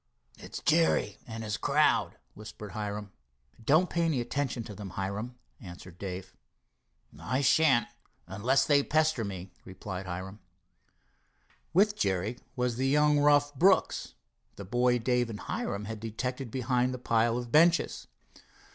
"It's Jerry and his crowd," whispered Hiram. "Don't pay any attention to them, Hiram," answered Dave. "I shan't, unless they pester me," replied Hiram. With Jerry was the young rough, Brooks, the boy Dave and Hiram had detected behind the pile of benches.